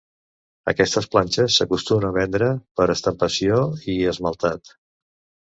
Aquestes planxes s'acostumaven a vendre per a estampació i esmaltat.